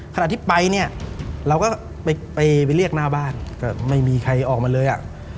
ขณะที่ไปเนี่ยเราก็ไปเรียกหน้าบ้านก็ไม่มีใครออกมาเลยอ่ะ